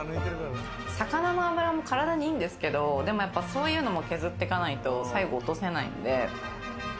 魚の脂も体にいいんですけど、そういうのも削っていかないと最後落とせないんで。